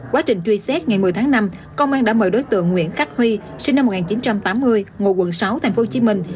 quá trình truy xét ngày một mươi tháng năm công an đã mời đối tượng nguyễn khắc huy sinh năm một nghìn chín trăm tám mươi ngụ quận sáu thành phố hồ chí minh